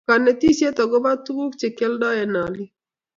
Konetisiet agobo tuguk che kialdoi eng olik